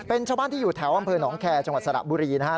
เป็นชาวบ้านที่อยู่แถวอำเภอหนองแคร์จังหวัดสระบุรีนะครับ